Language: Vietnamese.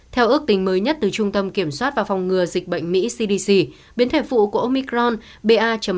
theo ước tính mới nhất từ trung tâm kiểm soát và phòng ngừa dịch bệnh mỹ cdc biến thể phụ của omicron ba